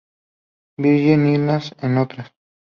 Virgin Islands en otras.